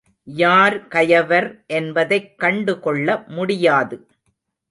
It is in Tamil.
யார் கயவர் என்பதைக் கண்டுகொள்ள முடியாது.